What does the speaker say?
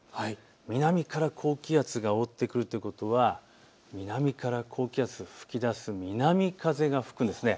南から高気圧が覆ってくるということは南から高気圧が吹き出す、南風が吹くんです。